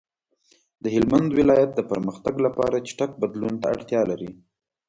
د هلمند ولایت د پرمختګ لپاره چټک بدلون ته اړتیا لري.